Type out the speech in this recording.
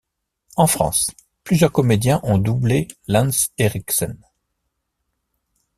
En France, plusieurs comédiens ont doublé Lance Henriksen.